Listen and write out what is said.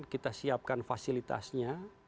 kita siapkan fasilitasnya